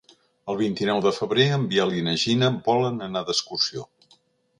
El vint-i-nou de febrer en Biel i na Gina volen anar d'excursió.